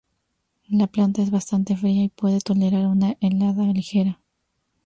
La planta es bastante fría y puede tolerar una helada ligera.